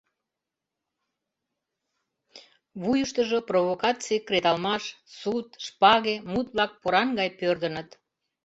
Вуйыштыжо провокаций... кредалмаш... суд... шпаге... мут-влак поран гай пӧрдыныт.